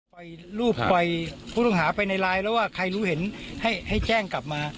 รูปปล่อยผู้ต้องหาไปในไลน์แล้วว่าใครรู้เห็นให้แจ้งกลับมา